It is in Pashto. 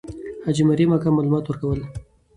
حاجي مریم اکا معلومات ورکول.